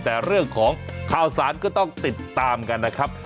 แต่เรื่องของข่าวสารก็ต้องติดตามกันนะครับ